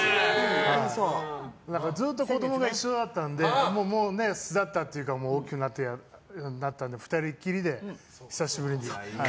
ずっと子供が一緒だったのでもう巣立ったというか大きくなったので２人っきりで久しぶりに。